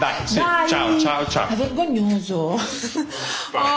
ああ！